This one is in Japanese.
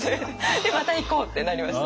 でまた行こうってなりました。